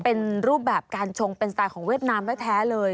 เป็นรูปแบบการชงเป็นสไตล์ของเวียดนามแท้เลย